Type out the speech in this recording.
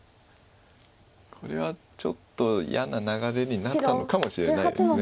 これはちょっと嫌な流れになったのかもしれないです。